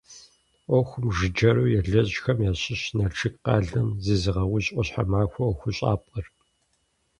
Ӏуэхум жыджэру елэжьхэм ящыщщ Налшык къалэм зезыгъэужь «ӏуащхьэмахуэ» ӀуэхущӀапӀэр.